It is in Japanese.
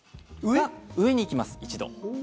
上に行きます、一度。